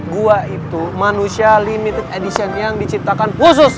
gua itu manusia limited edition yang diciptakan khusus